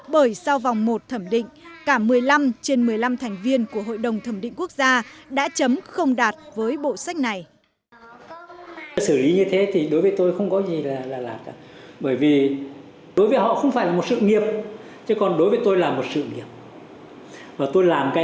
bởi sau vòng một thẩm định cả một mươi năm trên một mươi năm thành viên của hội đồng thẩm định quốc gia đã chấm không đạt với bộ sách này